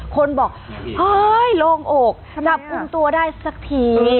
คนบอกโรงอกจับควบคุมตัวได้สักที